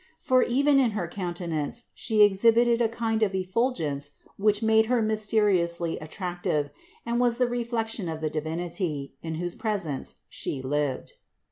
For even in her counte nance she exhibited a kind of effulgence which made her mysteriously attractive and was the reflection of the Divinity, in whose presence she lived.